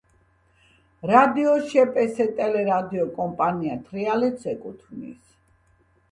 რადიო შპს „ტელე-რადიო კომპანია თრიალეთს“ ეკუთვნის.